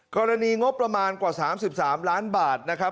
กรณีงบประมาณกว่า๓๓ล้านบาทนะครับ